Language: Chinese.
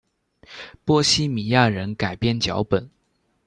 波希米亚人改编脚本。